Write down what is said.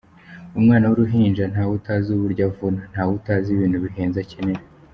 Umwana w’uruhinja ntawe utazi uburyo avuna, ntawe utazi ibintu bihenze akenera.